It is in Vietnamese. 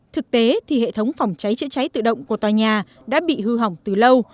thực tế thì hệ thống phòng cháy chữa cháy tự động của tòa nhà đã bị hư hỏng từ lâu